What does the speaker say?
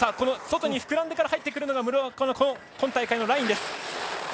外に膨らんでから入ってくるのが村岡の今大会のラインです。